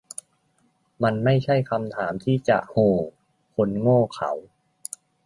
มันไม่ใช่คำถามที่จะ 'โห่' คนโง่เขลา